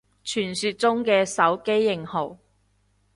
傳說中嘅手機型號